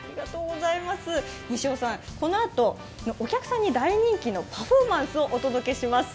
このあとお客さんに大人気のパフォーマンスをお届けします。